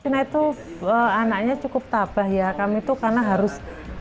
cina itu anaknya cukup tabah ya kami itu karena harus